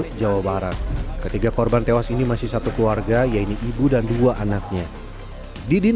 di jawa barat ketiga korban tewas ini masih satu keluarga yaitu ibu dan dua anaknya didin